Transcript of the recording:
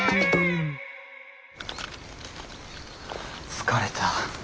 疲れた。